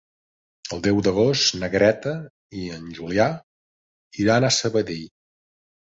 El deu d'agost na Greta i en Julià iran a Sabadell.